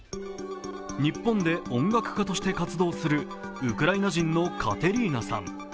日本で音楽家として活動するウクライナ人のカテリーナさん。